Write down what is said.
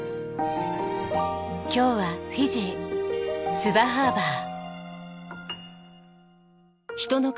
今日はフィジースバハーバー。